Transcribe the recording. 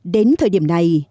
đến thời điểm này